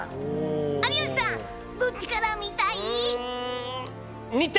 有吉さんどっちから見たい？